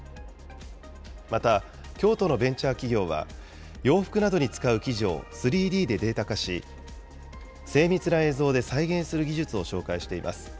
また、京都のベンチャー企業は、洋服などに使う生地を３Ｄでデータ化し、精密な映像で再現する技術を紹介しています。